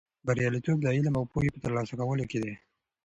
بریالیتوب د علم او پوهې په ترلاسه کولو کې دی.